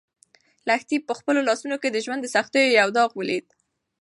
لښتې په خپلو لاسو کې د ژوند د سختیو یو داغ ولید.